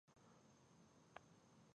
باور مې نۀ کېږي.